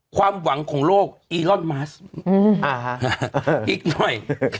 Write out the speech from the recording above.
ความหวังของโลกอีรอลมาสอืมอ่ะฮะอีกหน่อย